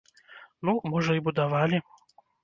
Ну, можа і будавалі.